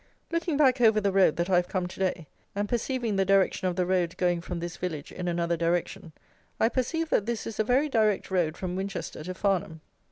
Looking back over the road that I have come to day, and perceiving the direction of the road going from this village in another direction, I perceive that this is a very direct road from Winchester to Farnham.